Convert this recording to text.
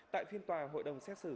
tại phiên tòa hội đồng xét xử